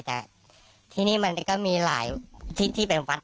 แต่ที่นี่มันก็มีหลายที่ที่ไปวัด